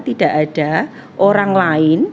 tidak ada orang lain